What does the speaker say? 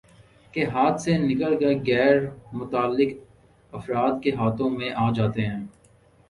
کے ہاتھ سے نکل کر غیر متعلق افراد کے ہاتھوں میں آجاتے ہیں